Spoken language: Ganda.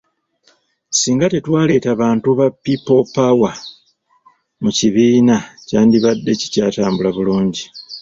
Singa tetwaleeta bantu ba Pipo pawa mu kibiina, kyandibadde kikyatambula bulungi